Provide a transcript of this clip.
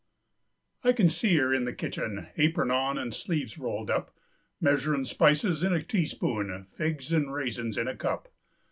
I can see her in the kitchen, Apron on and sleeves rolled up, Measurin' spices in a teaspoon, Figs and raisins in a cup.